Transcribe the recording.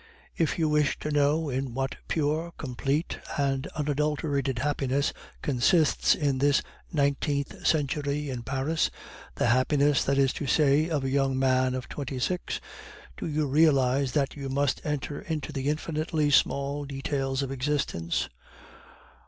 "If you wish to know in what pure, complete, and unadulterated happiness consists in this Nineteenth Century in Paris the happiness, that is to say, of a young man of twenty six do you realize that you must enter into the infinitely small details of existence?